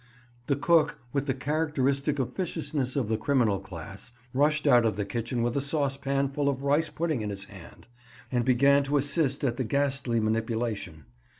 The cook, with the characteristic officiousness of the criminal class, rushed out of the kitchen with a saucepan full of rice pudding in his hand, and began to assist at the ghastly manipulation.